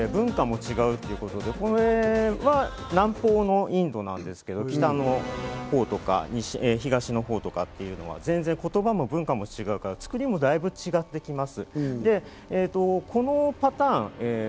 言語が違うので、文化も違うということで、これは南方のインドなんですけれども、北の方や東の方とかというのは全然、言葉も文化も違うので、作りも全然違っています。